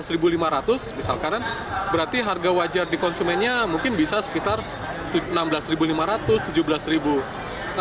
rp lima ratus misalkan berarti harga wajar di konsumennya mungkin bisa sekitar rp enam belas lima ratus rp tujuh belas